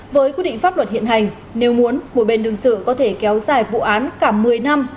với quy định pháp luật hiện hành nếu muốn một bên đường sự có thể kéo dài vụ án cả một mươi năm